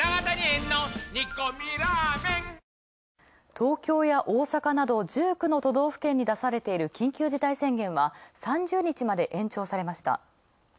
東京や大阪など１９の都道府県に出されている緊急事態宣言は３０日まで延長されました。